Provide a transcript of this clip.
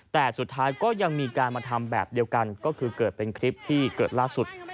แต่สุดท้ายก็ยังมีการมาทำแบบเดียวกันก็คือเกิดเป็นคลิปที่เกิดล่าสุด